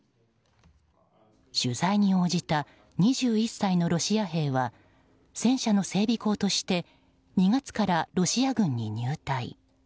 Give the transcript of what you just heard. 取材に応じた２１歳のロシア兵は戦車の整備工として２月からロシア軍に入隊。